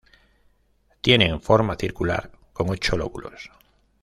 Tienen forma circular con ocho lóbulos.